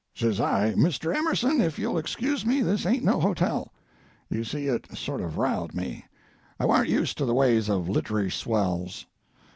"Says I, 'Mr. Emerson, if you'll excuse me, this ain't no hotel.' You see it sort of riled me—I warn't used to the ways of littery swells.